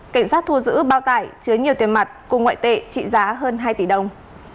cảnh sát thu giữ bao tải chứa nhiều tiền mặt cùng ngoại tệ trị giá hơn hai tỷ đồng